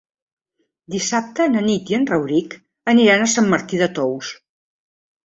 Dissabte na Nit i en Rauric aniran a Sant Martí de Tous.